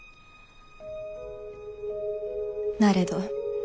なれど